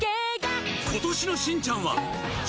今年の『しんちゃん』は